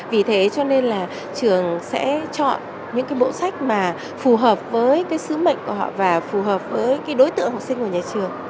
vì thế cho nên là trường sẽ chọn những cái bộ sách mà phù hợp với cái sứ mệnh của họ và phù hợp với cái đối tượng học sinh của nhà trường